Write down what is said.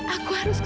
aku harus ke sana